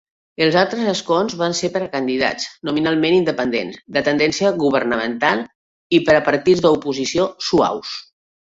Els altres escons van ser per a candidats nominalment independents, de tendència governamental, i per a partits de "oposició suaus".